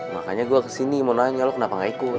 makanya gue kesini mau nanya lo kenapa gak ikut